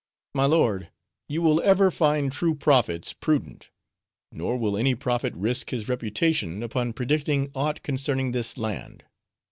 "My lord, you will ever find true prophets, prudent; nor will any prophet risk his reputation upon predicting aught concerning this land.